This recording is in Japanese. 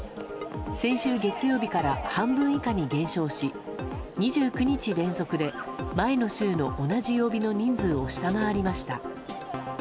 先週月曜日から半分以下に減少し２９日連続で前の週の同じ曜日の人数を下回りました。